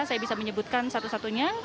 saya bisa menyebutkan satu satunya